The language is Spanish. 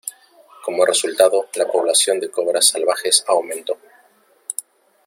Como resultado, la población de cobras salvajes aumentó.